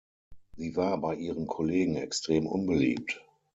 Sie war bei ihren Kollegen extrem unbeliebt.